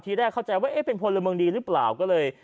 แรกเข้าใจว่าเอ๊ะเป็นพลเมืองดีหรือเปล่าก็เลย